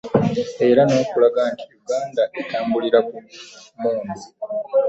Era n'okulaga nti Uganda etambulira ku mmundu